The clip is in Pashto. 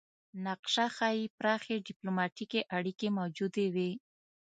نقشه ښيي پراخې ډیپلوماتیکې اړیکې موجودې وې